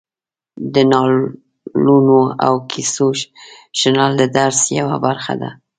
د نالونو او کیسو شنل د درس یوه برخه ده.